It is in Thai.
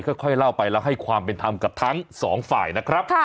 ค่อยเล่าไปแล้วให้ความเป็นธรรมกับทั้งสองฝ่ายนะครับ